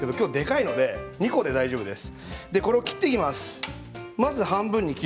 今日はでかいので２個で大丈夫です。